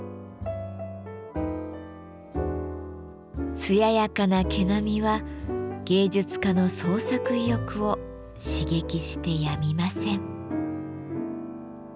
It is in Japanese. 艶やかな毛並みは芸術家の創作意欲を刺激してやみません。